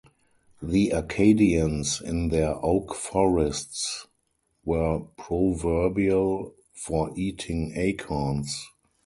The Arcadians in their oak-forests were proverbial for eating acorns.